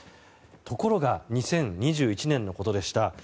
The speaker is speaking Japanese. ところが２０２１年のことでした。